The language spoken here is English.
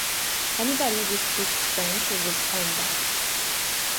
Anybody who speaks French is a scum bag.